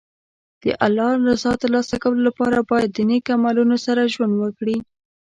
د الله رضا ترلاسه کولو لپاره باید د نېک عملونو سره ژوند وکړي.